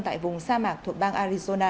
tại vùng sa mạc thuộc bang arizona